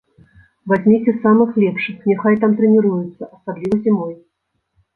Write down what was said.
Вазьміце самых лепшых, няхай там трэніруюцца, асабліва зімой.